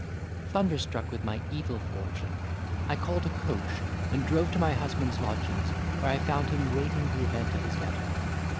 Thunderstruck with my evil fortune I called a coach, and drove to my husband's lodgings, where I found him waiting the event of his letter.